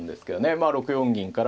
まあ６四銀から。